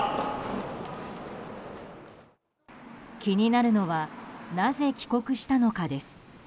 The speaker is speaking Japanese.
気になるのはなぜ、帰国したのかです。